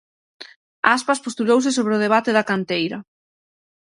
Aspas postulouse sobre o debate da canteira.